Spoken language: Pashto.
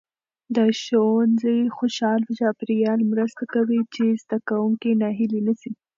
د ښوونځي خوشال چاپیریال مرسته کوي چې زده کوونکي ناهیلي نسي.